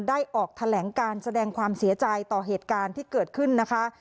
ออกแถลงการแสดงความเสียใจต่อเหตุการณ์ที่เกิดขึ้นนะคะ